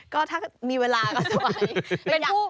ก็ถ้ามีเวลาก็จะไหว